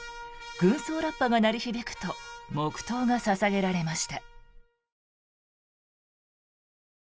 軍葬ラッパが鳴り響くと黙祷が捧げられました。